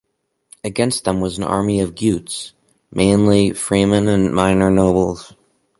Against them was an army of Gutes, mainly freemen and minor nobles.